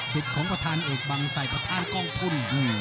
สิทธิ์ของประธานเอกบังสัยประธานกองทุ่น